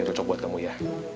ada yang cocok buat temui ya